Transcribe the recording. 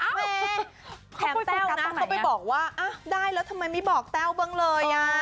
แถมแก๊บเข้าไปบอกว่าได้แล้วทำไมไม่บอกแต้วบ้างเลย